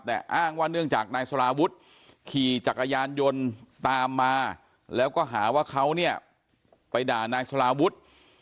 แต่อ้างว่าเนื่องจากนายสลาวุฒิขี่จักรยานยนต์ตามมาแล้วก็หาว่าเขาเนี่ยไปด่านายสลาวุฒิ